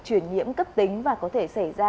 chuyển nhiễm cấp tính và có thể xảy ra